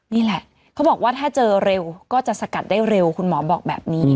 นี่แหละเขาบอกว่าถ้าเจอเร็วก็จะสกัดได้เร็วคุณหมอบอกแบบนี้